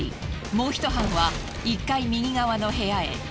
もうひと班は１階右側の部屋へ。